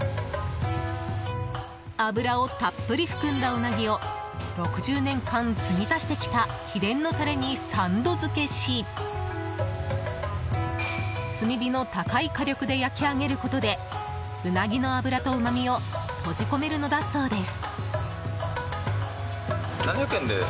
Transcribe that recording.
脂をたっぷり含んだうなぎを６０年間、継ぎ足してきた秘伝のタレに３度付けし炭火の高い火力で焼き上げることでうなぎの脂とうまみを閉じ込めるのだそうです。